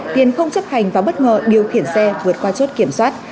tiền không chấp hành và bất ngờ điều khiển xe vượt qua chốt kiểm soát